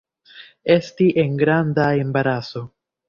Esti en granda embaraso.